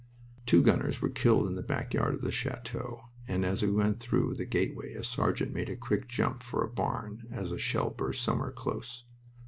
Two gunners were killed in the back yard of the chateau, and as we went in through the gateway a sergeant made a quick jump for a barn as a shell burst somewhere close.